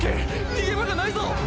逃げ場がないぞ！！